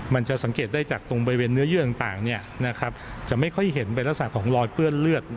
มันจะสังเกตได้จากตรงบริเวณเนื้อเยื่อต่างจะไม่ค่อยเห็นเป็นลักษณะของรอยเปื้อนเลือด